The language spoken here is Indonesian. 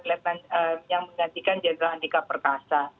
lieutenant general andika perkasa